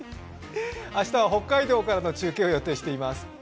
明日は北海道からの中継を予定しています。